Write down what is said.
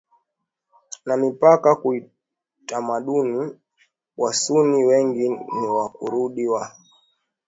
na mipaka kiutamaduni Wasunni wengi ni Wakurdi Wabaluchi au